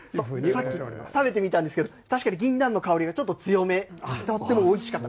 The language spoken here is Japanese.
さっき食べてみたんですけど、確かにぎんなんの香りが強め、とってもおいしかった。